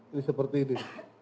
ini seperti ini